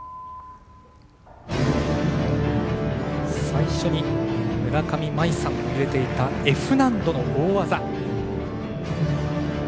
最初に村上茉愛さんも入れていたＦ難度の大技。